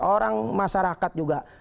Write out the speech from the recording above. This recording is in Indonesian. orang masyarakat juga